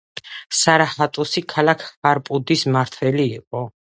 სარა ჰატუნი ქალაქ ჰარპუდის მმართველი იყო.